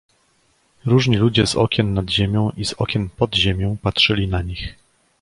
Różni ludzie z okien nad ziemią i z okien pod ziemią patrzyli na nich.